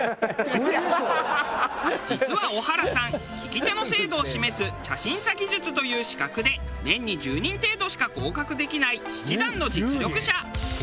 実は小原さん利き茶の制度を示す茶審査技術という資格で年に１０人程度しか合格できない七段の実力者。